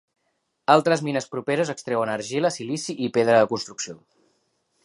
Altres mines properes extreuen argila, silici i pedra de construcció.